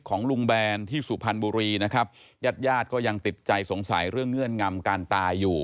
ของลุงแบนที่สุพรรณบุรีนะครับญาติญาติก็ยังติดใจสงสัยเรื่องเงื่อนงำการตายอยู่